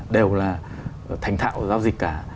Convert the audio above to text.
đều là thành thạo giao dịch cả